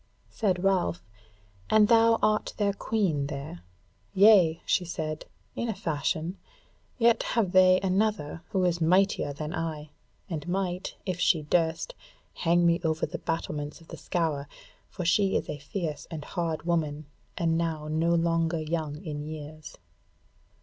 Said Ralph, "And thou art their Queen there?" "Yea," she said, "in a fashion; yet have they another who is mightier than I, and might, if she durst, hang me over the battlements of the Scaur, for she is a fierce and hard woman, and now no longer young in years."